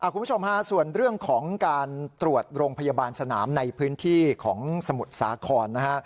คุณผู้ชมฮะส่วนเรื่องของการตรวจโรงพยาบาลสนามในพื้นที่ของสมุทรสาครนะฮะ